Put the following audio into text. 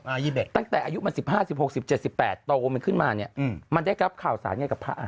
๒๑ตั้งแต่อายุมัน๑๕๑๖๑๗๑๘โตมันขึ้นมาเนี่ยอืมมันได้รับข่าวสารยังไงกับพระอ่ะ